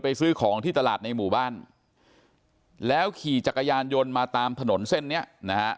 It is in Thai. ซื้อของที่ตลาดในหมู่บ้านแล้วขี่จักรยานยนต์มาตามถนนเส้นเนี้ยนะฮะ